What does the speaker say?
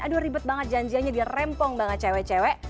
aduh ribet banget janjiannya dirempong banget cewek cewek